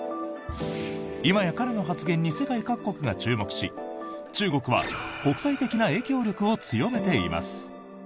今や彼の発言に世界各国が注目し中国は国際的な影響力を強めています。